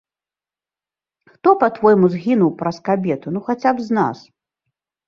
Хто, па-твойму, згінуў праз кабету, ну хаця б з нас.